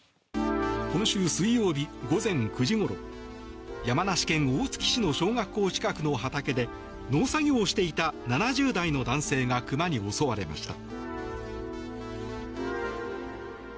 今週水曜日、午前９時ごろ山梨県大月市の小学校近くの畑で農作業をしていた７０代の男性がクマに襲われました。